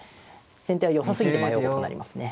先手はよさすぎて迷うことになりますね。